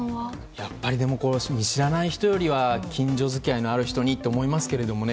知らない人よりは近所付き合いのある人にと思いますけどもね。